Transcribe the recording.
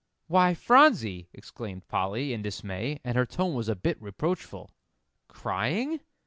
"Why, Phronsie!" exclaimed Polly, in dismay, and her tone was a bit reproachful. "Crying?